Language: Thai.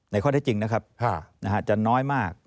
ข้อได้จริงนะครับจะน้อยมาก